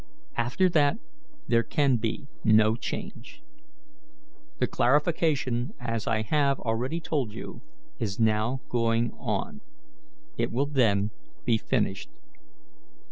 After that there can be no change. The classification, as I have already told you, is now going on; it will then be finished."